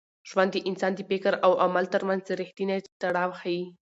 ژوند د انسان د فکر او عمل تر منځ رښتینی تړاو ښيي.